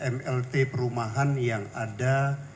mlt perumahan yang ada